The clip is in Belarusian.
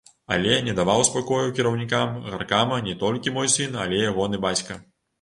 Але не даваў спакою кіраўнікам гаркама не толькі мой сын, але ягоны бацька.